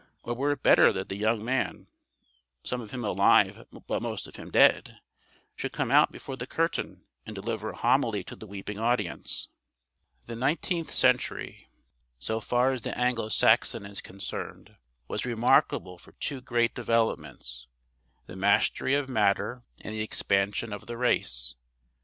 Or were it better that the young man, some of him alive but most of him dead, should come out before the curtain and deliver a homily to the weeping audience? The nineteenth century, so far as the Anglo Saxon is concerned, was remarkable for two great developments: the mastery of matter and the expansion of the race.